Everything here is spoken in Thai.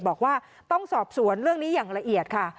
บอกว่าต้องสอบสวนเรื่องนี้อย่างละเอียดค่ะ